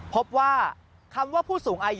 กลับวันนั้นไม่เอาหน่อย